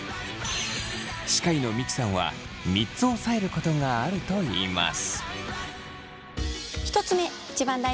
歯科医の三木さんは３つおさえることがあるといいます。